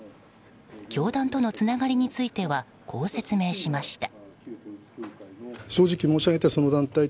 教団とのつながりについてはこう説明しました。